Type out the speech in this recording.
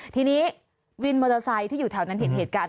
ทีนี้วินมอเตอร์ไซค์ที่อยู่แถวนั้นเห็นเหตุการณ์